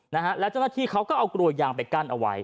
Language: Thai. นะฮะแล้วเจ้าหน้าที่เขาก็เอากลัวยางไปกั้นเอาไว้